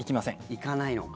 行かないのか。